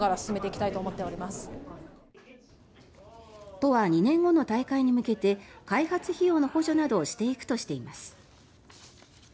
都は２年後の大会に向けて開発費用の補助などをしていくとしています。